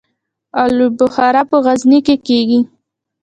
الو بخارا په غزني کې کیږي